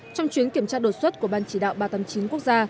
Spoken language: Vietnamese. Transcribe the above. trong chuyến kiểm tra đột xuất của ban chỉ đạo ba trăm tám mươi chín quốc gia